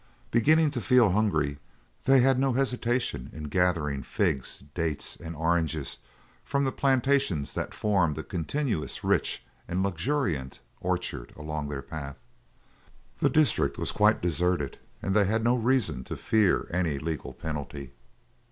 Beginning to feel hungry, they had no hesitation in gathering figs, dates, and oranges from the plantations that formed a continuous rich and luxuriant orchard along their path. The district was quite deserted, and they had no reason to fear any legal penalty.